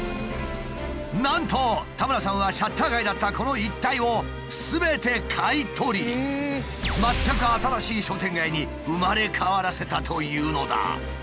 なんと田村さんはシャッター街だったこの一帯をすべて買い取り全く新しい商店街に生まれ変わらせたというのだ。